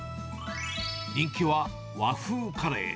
人気は和風カレー。